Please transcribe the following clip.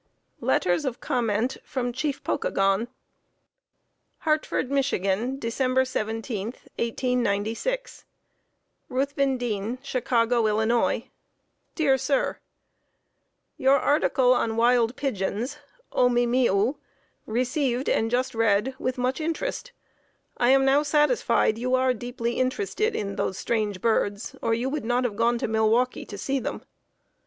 LETTERS OF COMMENT FROM CHIEF POKAGON. Hartford, Mich., Dec. 17, 1896. Ruthven Deane, Chicago, Ill. Dear Sir: Your article on wild pigeons (O me me oo) received and just read with much interest. I am now satisfied you are deeply interested in those strange birds, or you would not have gone to Milwaukee to see them.